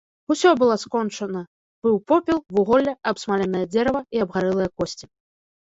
Усё было скончана, быў попел, вуголле, абсмаленае дзерава і абгарэлыя косці.